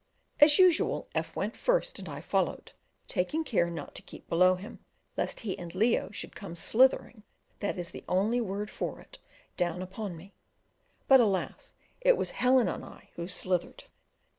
As usual, F went first and I followed, taking care not to keep below him, lest he and Leo should come "slithering" (that is the only word for it) down upon me; but, alas, it was Helen and I who slithered!